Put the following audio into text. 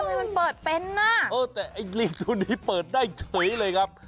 แล้วทำไมมันเปิดเป็นนะ